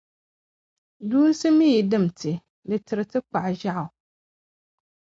duunsi mi yi dim ti, di tiri ti kpaɣu ʒiɛɣu.